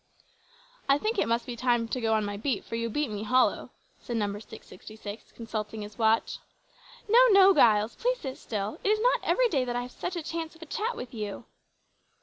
"I think it must be time to go on my beat, for you beat me hollow," said Number 666, consulting his watch. "No, no, Giles, please sit still. It is not every day that I have such a chance of a chat with you."